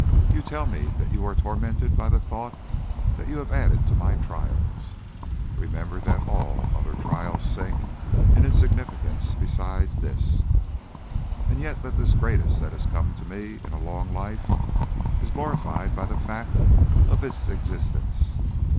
You tell me that you are tormented by the thought that you have added to my trials. Remember that all other trials sink into insignificance beside this, and yet that this greatest that has come to me in a long life is glorified by the fact of its existence.